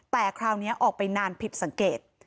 แต่คราวนี้ออกไปนานผิดสังเกต